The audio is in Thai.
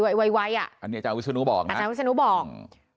อันนี้อาจารย์วิชานุบอกนะ